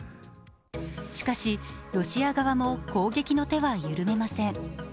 しかし、ロシア側も攻撃の手は緩めません。